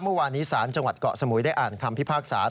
เมื่อวานีสารจเกาะสมุยได้อ่านคำพิภาคสาะ